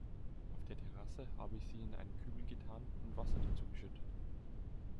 Auf der Terrasse hab ich sie in einen Kübel getan und Wasser dazu geschüttet.